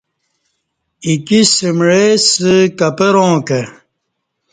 ایکی سمعےسہ کپراں کہ